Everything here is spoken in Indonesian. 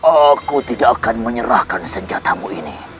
aku tidak akan menyerahkan senjatamu ini